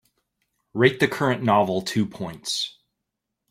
Rate the current novel two points